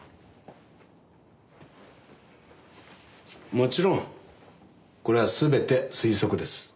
もちろんこれは全て推測です。